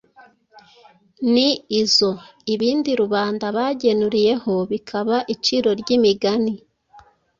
ni izo ibindi rubanda bagenuriyeho bikaba iciro ry’imigani,